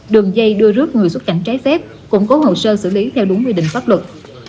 đường dây đưa rước người xuất cảnh trái phép củng cố hồ sơ xử lý theo đúng quy định pháp luật